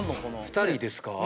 ２人ですか？